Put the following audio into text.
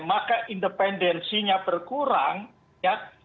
maka independensinya berkurang ya